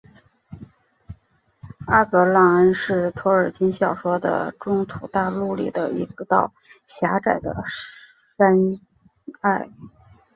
阿格朗恩是托尔金小说的中土大陆里的一道狭窄的山隘。